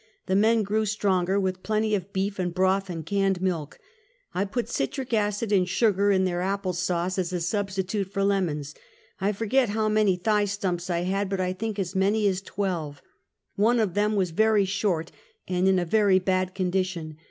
The men grew stronger with plenty of beef and broth and canned milk, I put citric acid and sugar in their apple sauce as a substitute for lem ons. I forget how many thigh stumps I had, but I think as many as twelve. One of them was very short and in a very bad condition.